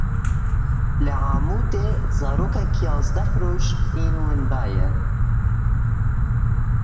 Li Amûdê zarokek yazdeh roj in wenda ye.